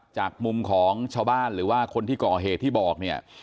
จากมุมของชาวบ้านหรือว่าคนที่ก่อเหตุที่บอกเนี่ย